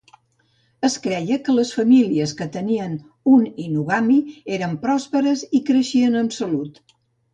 Es creia que les famílies que tenien un inugami eren pròsperes i creixien amb salut.